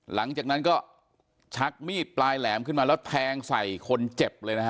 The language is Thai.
หลังจากนั้นก็ชักมีดปลายแหลมขึ้นมาแล้วแทงใส่คนเจ็บเลยนะฮะ